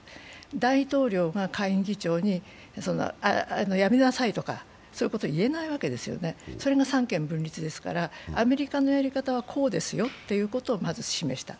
大統領が下院議長に辞めなさいとかそういうことを言えないわけですよね、それが三権分立ですから、アメリカのやり方はこうですよということをまず示した。